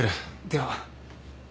では。